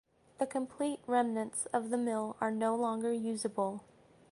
The complete remnants of the mill are no longer usable.